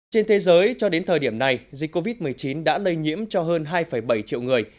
trên thế giới cho đến thời điểm này dịch covid một mươi chín đã lây nhiễm cho hơn hai bảy triệu người